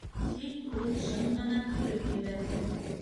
Тик ул шым ғына көлөп ебәрҙе: